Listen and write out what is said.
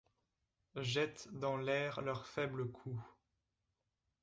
Jettent-dans l'air leurs faibles coups.